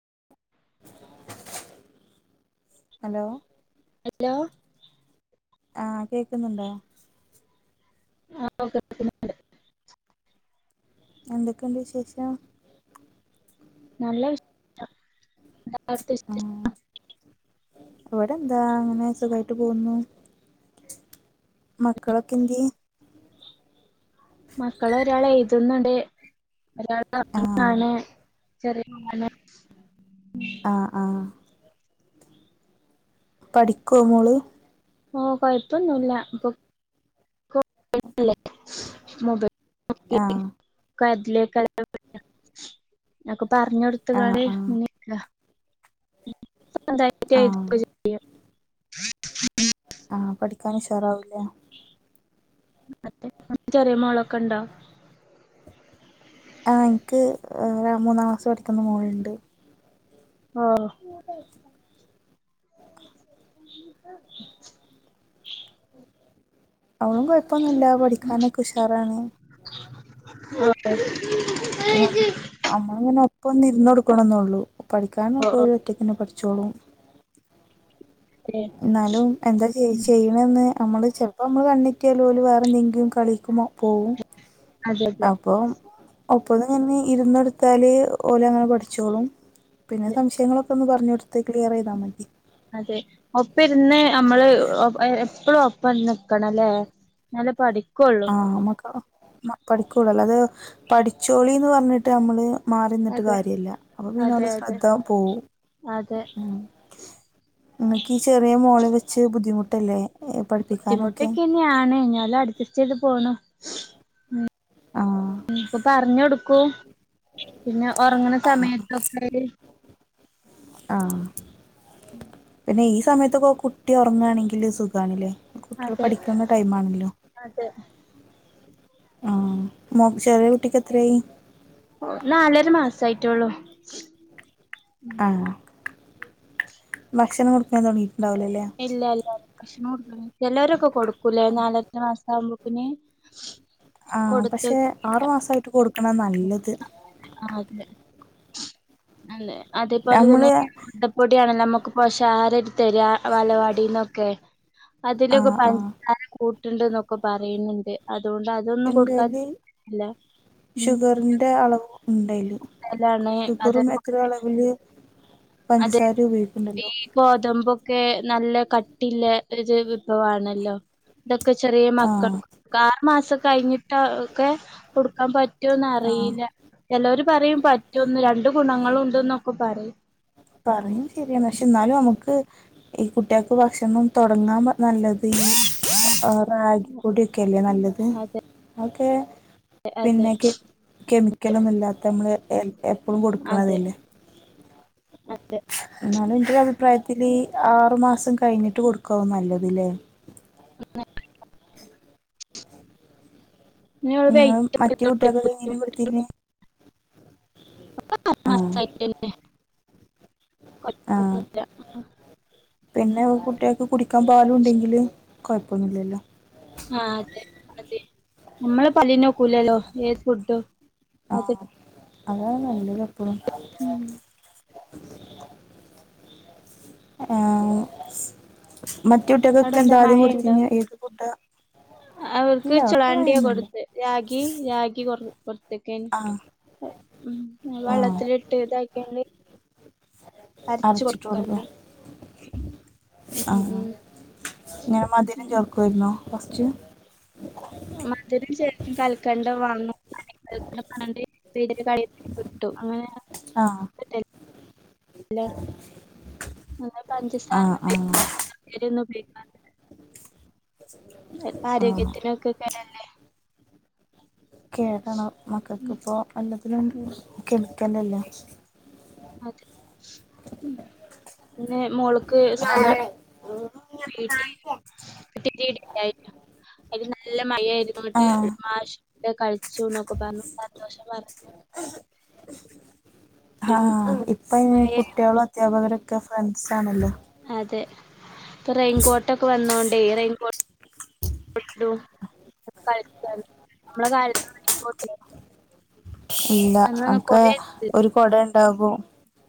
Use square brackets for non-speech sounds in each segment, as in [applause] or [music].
ഓ hello ആഹ് കേക്കുന്നുണ്ടോ [unintelligible] എന്തൊക്കെണ്ട് വിശേഷം നല്ല വിഷ ന്തഅവിടത്തെ വിശേഷം അവിടെ എന്താ അങ്ങനെ സുഖായിട്ട് പോകുന്നു മക്കളൊക്കെ എന്തേ മക്കൾ ഒരാൾ എഴുതുന്നുണ്ട് ഒരാൾ ആഹ് കാണ [unintelligible] ചെറിയ [unintelligible] ആ ആ പഠിക്കോ മോള് ആ കൊഴപ്പൊന്നൂല്ല അപ്പൊ മൊബൈ ആ കലക്കല്ല ന [unintelligible] പറഞ്ഞ് കൊടുത്ത് ആഹ് കാളെ ആഹ് മനല്ല രണ്ടായിരത്തി്യ [unintelligible] ഹം [inaudible] ആ പഠിക്കാൻ ഉഷാറാവൂല്ലേ ചെറിയ മോളൊക്കെ ഉണ്ടോ ആ എനിക്ക് മൂന്നാം ക്ലാസ് പഠിക്കുന്ന മോളുണ്ട് ഓ അവളും കുയപ്പൊന്നുല്ല പഠിക്കാനൊക്കെ ഉഷാറാണ് ആ പി അമ്മളങ്ങനെ ഇപ്പൊ നിന്നൊടുക്കണം എന്നുള്ളൂ പഠിക്കാന പോ ഓഹ് ഒരു ഒറ്റ തന്നെ പഠിക്ക ചൊളു ഏഹ് എന്നാലും എന്താ ചെയ ചെയ്യണന്ന് നമ്മള് ചെലപ്പോ നമ്മള് കണ്ണിട്ടിയാലല വേറെ എന്തെങ്കിലും കളിക്കുമ്പോ പോകും അതെ അതെ അപ്പൊ ഒപ്പത് തന്നെ ഇരന്ന്കൊടുത്താല് ഓലെ അങ്ങനെ പഠിച്ചോളും പിന്നെ സംശയങ്ങളൊക്കെ ഒന്ന് പറഞ്ഞ് കൊടുത്ത ഇത് ക്ലിയർ ചെയ്താ മതി അതെ ഒപ്പ ഇരുന്ന് നമ്മള് എപ്പഴും ഒപ്പ നിക്കണം അല്ലേ ആ നമ്മക്ക് പഠിക്കൂളല്ലേ അത് പഠിച്ചോളി ന്ന് പറഞ്ഞിട്ട് നമ്മള് മാറി നിന്നിട്ട് അതെ കാര്യം ഇല്ല അപ്പൊ പിന്നെ അതെ അവള്ടെ അതെ ശ്രദ്ധ പോകും അതെ ഉം എനിക്ക് ഈ ചെറിയ മോളെ വെച്ച് ബുദ്ധിമുട്ട ട്ടല്ലേ ബുദ്ധിമുട്ടൊക്കെന്നെയാണ് എഞ്ഞാലും അഡ്ജസ്‌ ചെയ്ത് പോണം ആഹ ഇപ്പൊ പറഞ്ഞ കൊടുക്കൂ പിന്നെ ഉറങ്ങണ ആ സമയത്തൊക്കെ ആഹ പിന്നെ ഈ സമയത്തൊക്കെ കുട്ടി ഉറങ്ങാണെങ്കില് സുഖണില്ലേ കുട്ടികൾ അതെ പഠിക്കുന്ന ടൈം ആണല്ലോ അതെ ആ ചെറിയ കുട്ടിക്ക് എത്രയായി നാലൊരു മാസായിട്ടള്ളൂ ആ ഭക്ഷണം കൊടുക്കാൻ തുടങ്ങിട്ട ഡൗലല പക്ഷെ നോടു ചിലരൊക്കെ കൊടുക്കും പുല നാലത്തെ മാസ ആവുമ്പോ പിന്നെ ആ പക്ഷെ ആറു മാസായിട്ട് കൊടുക്കും ആണ നല്ലത് ആഹ അതെ അല്ലെ അതേപോലെ നമ്മള് തന്നെട്ടിയണ നമുക്ക് പോഷാഹാര എടുത്തരി വലവാടിന്നൊക്കെ ആ അതിലക്കെ ആ പഞ്ച ക ണ്ട് എന്നൊക്കെ പറയുന്നുണ്ട് അതുകൊണ്ട് അതൊന്നും എന്താല് കൊടുക്കാൻല്ല ഉണ്ടായില്ല ൃഷുപ്പറും എത്ര അളവല് അതെ ഈ ഗോതമ്പൊക്കെ നല്ല കട്ടില്ല ഒരു വിഭവണല്ലോ ന്തൊക്കെ ചെറിയ ആ മക്കൾക്കക്ക മാസം കഴിഞ്ഞിട്ട് ഒക്കെ കൊടുക്കാൻ പറ്റ റ്റോന്നും ആ അറിയില്ല ചിലർ പറയും പറ്റുംന്ന് രണ്ട് ഗുണങ്ങള ഉണ്ട് എന്നൊക്കെ പറയും പറയും ശരിയാണ് പക്ഷെ എന്നാലും നമുക്ക് ഈ കുട്ടികക്ക് ഭക്ഷണം തുടങ്ങാൻ നല്ലത് റാഗിപ്പൊടിയൊക്കെല്ലേ നല്ലത് അതെ ഒക്കെ അതെ പിന്നെ കെമി കെമിക്കലൊന്നുല്ലാത്ത നമ്മള് എ എപ്പോളും അതെ കൊടുക്കണതല്ലേ അതെ എന്നാല ഇന്ത് അഭിപ്രായത്തിൽ ഈ ആറു മാസം കഴിഞ്ഞിട്ട് കൊടുക്കാവ നല്ലതില്ലേ ഇനിയുള്ള നിങ്ങള് വെയിറ്റ് മറ്റ് കുട്ടികക്കൊക്കെ എങ്ങനെയാ കൊടുത്തിരുന്നേ ആഹ് മാസമായിട്ട് ആഹ് പിന്നെ കുട്ടികക്ക് കുടി ക്കാൻ പാലും ഉണ്ടെങ്കില് കുഴപ്പന്നുല്ലല്ലോ ആഹ് അതെ അതെ നമ്മള് പല്ലിനോക്കൂലല്ലോ ഏത് ഫുഡ് ആ അതാണ് നല്ലത്പ്പഴും ഉം ആ സ് അവിടെ എന്താ മയണ്ടോ ഫുഡാ അവർക്ക് ഇല്ല ചൊളാണ്ടിയാ മഴയൊന്നുമില്ല കൊടുത്തെ രാഗി രാഗി കൊറവ് തക്കേന് ആഹ് ഉം ആഹ് വള്ളത്തിലിട്ട് ഇതാക്കിങ്ങ് അരച്ച് അരച്ചിട്ട് കൊടുക്കും കൊടുക്കാണ് ആഹ് ഇങ്ങനെ മധുരം ഉം ചേർക്കുയിരുന്നോ പശ്ച് ഉം മധുരം ചേർത്ത് കൽക്കണ്ടം വാങ്ങും [unintelligible] കാണാണ്ട് [unintelligible] അങ്ങനെ ആഹ് [unintelligible] പഞ്ചാസാര ആഹ് ആഹ് [unintelligible] ഉപയോഗ ആഹ് ആരോഗ്യത്തിനൊക്കെ കേ ടല്ലേ കേടണ് മക്കക്കിപ്പോ എല്ലതിലും ഉം കെമി ക്കലല്ലേ അതെ ഉം പിന്നെ മോള് ക്ക് സ്കൂള് വീട്ടി [unintelligible] അയി നല്ല മഴായിയിരുന്നട്ട് ആഹ് മാഷ്നോട് കഴിച്ചു ന്നൊക്കെ പറഞ്ഞു സന്തോഷം പറഞ്ഞു ഉം ഇപ്പൊ അയിന് മഴ കുട്ടിയോള് അധ്യാപകര ക്കെ ഫ്രണ്ട്സ് ആണല്ലോ അതെ ഇപ്പൊ റെയിൻകോട്ടൊക്കെ വന്നോണ്ടേ റെയിൻകോ കൊട്ടു ടും കളിക്കാലോ നമ്മള കാലത്തൊന്നും റെയിൻകോട്ടില്ലാ [unintelligible] ഇല്ല അക്ക് ഇല്ല. ഒരു കൊടേ ണ്ടാവും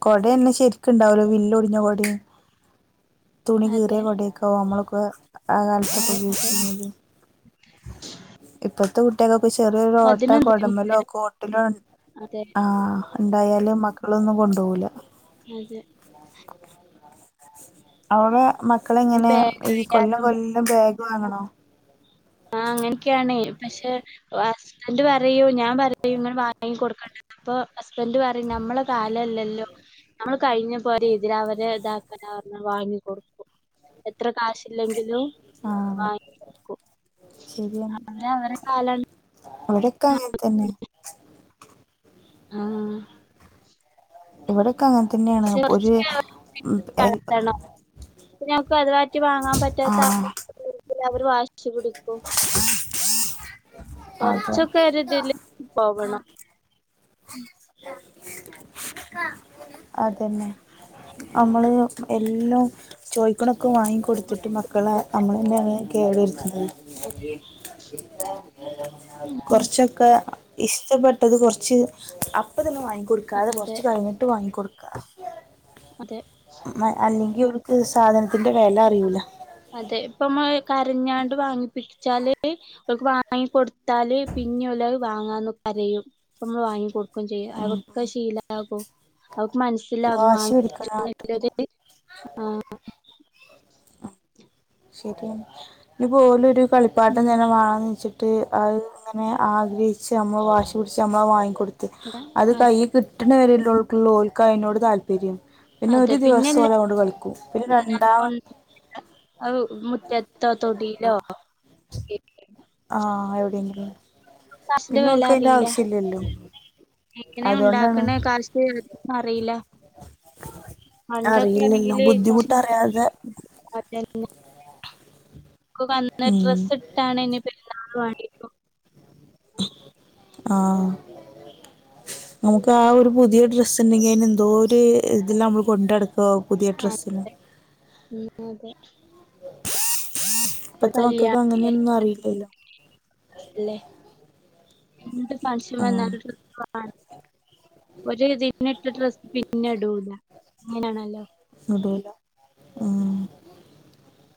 കൊടന്നെ ശരിക്കുണ്ടാവുല്ല വില്ല് ഒടിഞ്ഞ കൊടേം തുണി കീറിയ അതെ കൊടേക്കാവും നമ്മള് ബ ആകാലത്തൊക്കെ അതെ അതെ യൂസിയ്യണത് ഇപ്പത്തെ കുട്ടികക്കെ ഇപ്പൊ ചെറിയൊരു ഓട്ട അതിനും കൊടമ്പലോ ബുദ്ധിമുട്ട് കോട്ടിലോ ഇ അതെ ആ ഇണ്ടായാല് മക്കളൊന്നും കൊണ്ടുവൂല്ല അതെ. അവടെ. മക്കള് ഇനി എങ്ങനെ ബാഗ് ഈ കൊല്ലം ആയാലും കൊല്ലം ബാഗ് വാങ്ങണോ? ആ അങ്ങനെയൊക്കെയാണ് പക്ഷെ ഹസ്ബൻഡ് പറയും ഞാൻ പറയും ഇങ്ങനെ വാങ്ങി കൊടുക്കണ്ടാന്ന് അപ്പൊ ഹസ്ബൻഡറ് പറയും നമ്മളെ കാല അല്ലല്ലേ? നമ്മൾ കഴിഞ്ഞ പോരെ എന്തിനാ അവരെ ഇതാകാനെ പറഞ്ഞ് വാങ്ങി കൊടുക്കും എത്ര കാശില്ലെങ്കിലും ആ വാങ്ങി കൊടുക്കും. ശരിയാണ് അങ്ങനെ അവരെ കാലം അല്ലേ. ഒക്കെ അങ്ങന് തന്നെ. ആഹ്‌. ഇവിടെ. കുറച്ച് അകത്തണ് ഇപ്പോ ഞമ്മക്ക് അതുമാറ്റി വാങ്ങാൻ ആ പറ്റാത്ത അവസ്ഥ അവര് വ പക്ഷി പിടിക്കോ? അതെ കൊറച്ചൊക്കെ ഒരിതില് പോവണം. [inaudible] അതന്നെ. നമ്മള് എ എല്ലാം ചോദിക്കണ ഒ ഒക്കെ വാങ്ങി കൊടുത്തിട്ട് മക്കള നമ്മള് തന്നെയാണ്. കേടുവരുത്തണ്. കൊറച്ചൊക്കെ ഇഷ്ടപ്പെട്ടത് കൊറ്ച്ച് അപ്പ ത് ന്നെ വാങ്ങി കൊടുക്കാതെ കൊറ് അതെ റച്ച് കഴിഞ്ഞിട്ട് വാങ്ങി കൊടുക്ക്. അതെ [inaudible] മ് മ് അല്ലേ. ഇവർക്ക് സാധനത്തിന്റെ വെല അറിയൂല. അതെ ഇപ്പ നമ്മള് കരഞ്ഞാണ്ട് വാങ്ങിപ്പിടിച്ചാല് അവക്ക് വാങ്ങിക്കൊടുത്താല് പിന്നെ ഓല് വാങ്ങാന്ന് കരയും അപ്പം മ്മള് വാങ്ങിക്കൊടു ക്കും ചെയ്യും, അവർക്ക് അത് ശീലാകും. അവക്ക് മനസ്സിലാകും വാശി വാങ്ങി പിടിക്കണ കാട്ടിക്കും [unintelligible] ആഹ്‌. ശെരിയാ ഇനിപ്പോ ഓലോരു. കളിപ്പാട്ടം ഉം തന്നെ വാങ്ങിച്ചി ട്ട് അത് ഇങ്ങനെ ആഗ്രഹിച്ച് നമ്മൾ വാശി പിടിച്ച് നമ്മള വാങ്ങിക്കൊടു ത്ത് അത് കൈ അതെ കിട്ട്‌ണ വരെ [unintelligible] [unintelligible] ഓൽക്ക് അയിനോട് താല്പര്യം പിന്നെ അതെ ഒരു ദിവസം പിന്നെല്ല ഓന് അവനോണ്ട് കളികക്കും പിന്നെ രണ്ടാമ അവ് മുറ്റത്തോ തൊടീലോ ആഹ് എവിടെങ്കിലും പിന്നെ വില ഓൽക്ക് അയ്ന്റെ അറിയില്ല ആവശ്യം ഇല്ലല്ലോ. എങ്ങനെ ഉണ്ടാക്കണെ കാശ് അറിയില്ല അറിയില്ലല്ലോ പണ്ടൊക്കേണെങ്കില് ബുദ്ധിമുട്ടറിയാതെ [unintelligible] [unintelligible] ക്ക് വന്ന് ഉം ഡ്രസ്സ് ഇട്ടാണ് നി [unintelligible] ആഹ് നമുക്ക് ആ ഒരു പുതിയ ഡ്രസ് ഉണ്ടെങ്കി അയ്നെന്തോര് ഇതിലാ നമ്മൾ കൊണ്ട ട് പ്പാ പുതിയ ഡ്രസ്സിന് അതെ ഉം അതെ ഇപ്പൊ ഇപ്പത്തെ മക്കൾക്ക് കല്യാണം അങ്ങനെയൊന്നും അറിയില്ലല്ലോ. ല്ലേ. ഇണ്ട് മൻഷ്യൻ ആഹ് വന്നാലൊര് ആഹ് ഒര്തിന് ഇട്ട ഡ്രസ് പിന്നെ ഇടൂലാ അങ്ങനേണല്ലോ. ഇടൂലാ. ഉം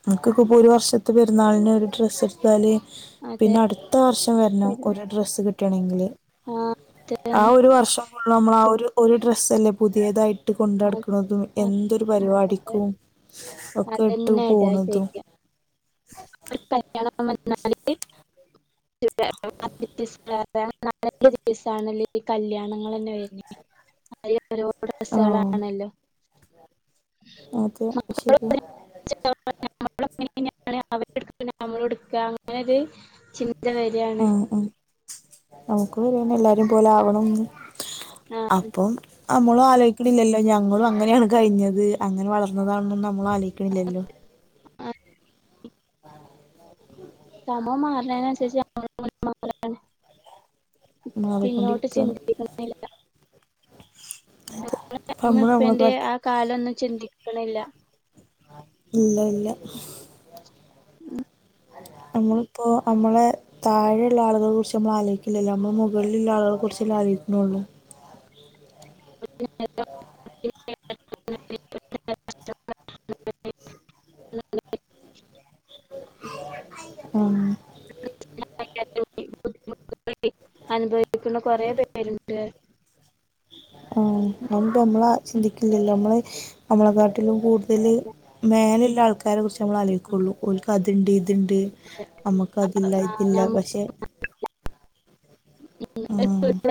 നമുക്കക്കെ ഇപ്പൊ ഒരു വർഷത്തെ പരുന്നാളിന് ഒരു ഡ്രസ്സ് എടുത്താല് അതെ പിന്നെ അടുത്ത വർഷം വരണം ഒരു ഡ്രസ്സ് കിട്ടി കിട്ടണങ്കിൽ ആഹ് ആ ഒരു വർഷം ഫുള്ളു നമ്മൾ ആ ഒരു ഒരു ഡ്രസ്സ അന്നെ പുതിയതായിട്ട് ഇട്ട് കൊണ്ട അതെ ടക്കുന്നതും എ അതെ ഒരു അതെ പരിപാടിക്കും ഒക്കെ ഇട്ട് അതന്നെ ഇടാ പോണതും ചെയ്യാ ഒരു കല്യാണം [unintelligible] സാണല്ലേ ഈ കല്യാണങ്ങൾന്നെ വരണെ ഒരുട്സ ആഹ് ആളാണല്ലോ അതെ ശരിയാ നമ്മങ്ങനെ അവ നമ്മള എടുക്ക അങ്ങനെരു ചിന്ത വരിയാണ് ആഹ് ആഹ് നമുക്ക് പറാണ് എല്ലാരും പോലെ ആവണംന്ന് ആഹ് അപ്പം നമ്മളും ആലോചിക്കണില്ലല്ലോ ഞങ്ങളും അങ്ങനെയാണ് കഴിഞ്ഞത് അങ്ങനെ വളർന്നതാണും നമ്മള ആലോയിക്കണില്ലല്ലോ ആഹ് [inaudible] സമ മാറുന്നതിനനുസരിച്ച് [unintelligible] പിന്നോട്ട് മാറിക്കൊണ്ടിരിക്കാണ് അത് അപ്പ [unintelligible] നമ്മള് ഇപ്പന്റെ ആ നമ്മളെക്കാട്ടും കാലൊന്നും ചിന്തിക്കണില്ല ഇല്ലല്ല ഇല്ല നമ്മളിപ്പോ നമ്മളെ താഴെ ഉുള്ള ആളുകളെ കുറിച്ച് നമ്മള് ആലോചിക്കില്ലല്ലോ നമ്മളുടെ മുകളിലുള്ള ആളുകളെ കുറിച്ചല്ലെ ആലോചിക്കുന്നുള്ളു [inaudible] ആഹ് റ്റ ബുദ്ധിമുട്ട അനുഭവിക്കുന്ന കുറെ പേരുണ്ട് ആഹ് അമ്പ നമ്മളാ ചിന്തിക്കില്ലല്ലോനമ്മള് നമ്മളക്ക ഇതിലുംകൂടുതല് മേലെ ആൾക്കാരെ കുറിച്ച് നമ്മള് ആലൊയികുള്ളൂ ഓൽക്ക് അത്ണ്ട് ഇ ഇണ്ട് നമ്മക്ക് അതില്ല ആഹ് ഇതില്ല പക്ഷെ ഉ നമുക്ക്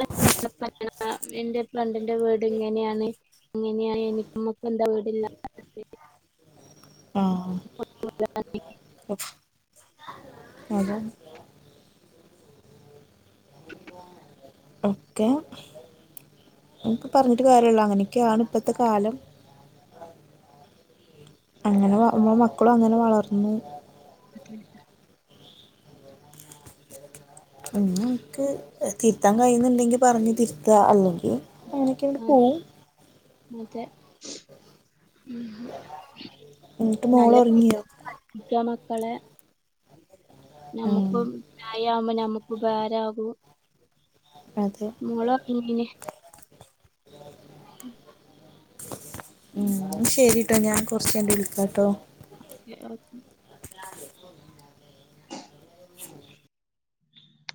[inaudible] ആ എന്റെ ഫ്രണ്ടിന്റെ വീട്ങ്ങനെയാണ് എങ്ങനെയ എനിക്കമ്മക്ക എന്താ വീടില്ല ആ അതെ ഒക്കെപറഞ്ഞിട്ട് കാര്യല്യ അങ്ങനെയൊക്കെയാണ് ഇപ്പത്തെ കാലം അങ്ങനെമ്മ മക്കളും അങ്ങനെ വളർന്നു അ [unintelligible] ഒന്നിൻക്ക് തിരുത്താൻ കഴിയുന്നുണ്ടെങ്കി പറഞ് തിരുത്ത അല്ലെങ്കി എനക്ക് എവിടെ പോവും മറ്റേ ഉം എന്നിട്ട് മോൾ നല്ല ഉറങ്ങിയോ ഠിക്കാ ക്കളെ ആ നമുക്ക് പ്രായവു നമുക്ക് ഉപകാരാകും അതെ മോളൊർങ്ങി പിന്നെ ഉ ശരി കേട്ടോ ഞാൻ കുറച്ച്കഴിഞ്ഞു വിളിക്കാട്ടോ ഓക്കെ ഓക്കെ ലാ